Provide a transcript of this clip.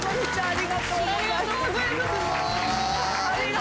ありがとうございます。